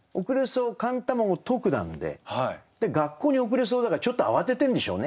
で「学校に遅れそう」だからちょっと慌ててるんでしょうね。